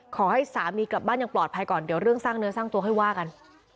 ขอให้สามีกลับบ้านอย่างปลอดภัยก่อนเดี๋ยวเรื่องสร้างเนื้อสร้างตัวค่อยว่ากัน